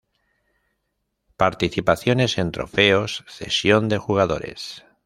Participaciones en trofeos, cesión de jugadores...